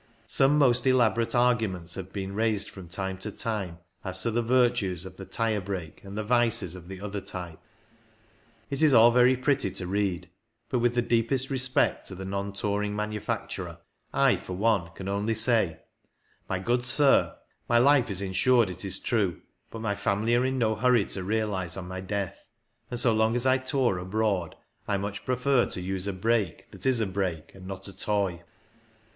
Some most elaborate arguments have been raised from time to time as to the virtues of the tyre brake and the vices of the other type. It is all very pretty to read, but with the deepest respect to the non touring manufacturer, I, for one, can only say, " My good sir, my life is insured, it is true ; but my family are in no hurry to realize on my death, and so long as I tour abroad I much prefer to use a brake that is a brake and not a toy.''